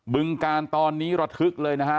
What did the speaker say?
ึงการตอนนี้ระทึกเลยนะฮะ